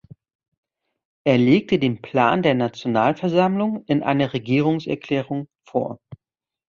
Er legte den Plan der Nationalversammlung in einer Regierungserklärung vor.